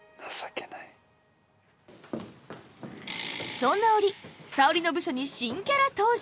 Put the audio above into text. そんな折沙織の部署に新キャラ登場！